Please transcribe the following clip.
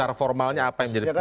cara formalnya apa yang jadi dasar